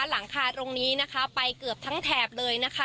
หลังคาตรงนี้นะคะไปเกือบทั้งแถบเลยนะคะ